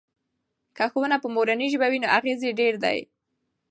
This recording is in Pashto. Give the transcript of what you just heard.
که ښوونه په مورنۍ ژبه وي نو اغیز یې ډیر دی.